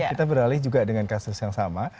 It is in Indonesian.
kita beralih juga dengan kasus yang sama